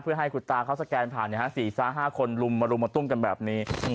เพื่อให้คุณตาเขาสแกนผ่าน๔๕คนลุมมารุมมาตุ้มกันแบบนี้